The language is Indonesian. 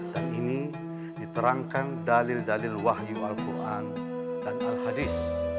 dan ini diterangkan dalil dalil wahyu al quran dan al hadis